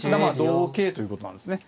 同桂ということなんですね。